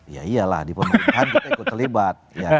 ya iyalah di pemerintahan kita ikut terlibat